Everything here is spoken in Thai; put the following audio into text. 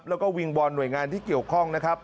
แล้วก็วิ่งบอลหน่วยงานที่เกี่ยวข้อง